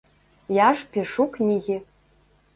Я ж пішу кнігі.